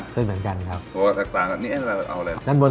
เส้นเหมือนกันของตัว